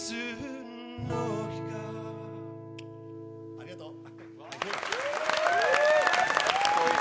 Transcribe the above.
ありがとう。